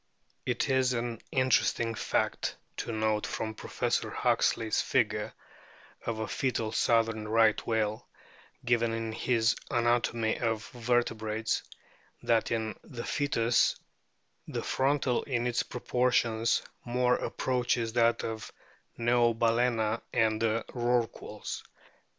It is an interesting fact to note from Professor Huxley's figure of a foetal southern Right whale, given in his Anatomy of Vertebrates, that in the foetus the frontal in its proportions more approaches that of Neobalccna and the Rorquals.